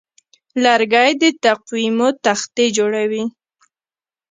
لرګی د تقویمو تختې جوړوي.